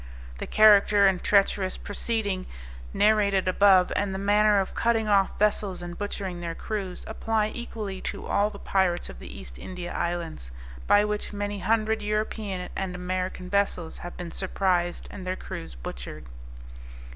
The character and treacherous proceeding narrated above, and the manner of cutting off vessels and butchering their crews, apply equally to all the pirates of the East India Islands, by which many hundred European and American vessels have been surprised and their crews butchered.